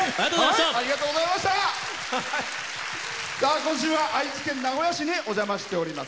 今週は愛知県名古屋市にお邪魔しております。